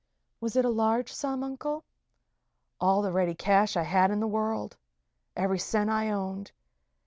"Was it a large sum, Uncle?" "All the ready cash I had in the world. Every cent I owned.